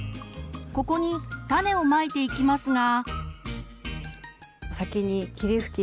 ここに種をまいていきますが。